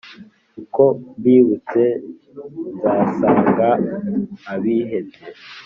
uko mbibutse nzasanga abihebye,